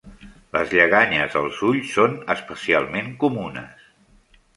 Les lleganyes als ulls són especialment comunes.